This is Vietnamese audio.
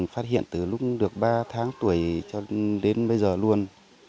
phát hiện từ lúc ba tháng tuổi đến bây giờ luôn